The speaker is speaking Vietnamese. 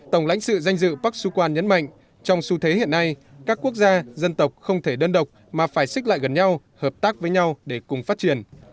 tổng lãnh sự danh dự park sukhan nhấn mạnh trong xu thế hiện nay các quốc gia dân tộc không thể đơn độc mà phải xích lại gần nhau hợp tác với nhau để cùng phát triển